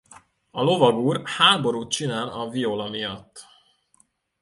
A lovag úr háborút csinál a viola miatt.